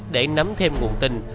để nắm thêm nguồn tin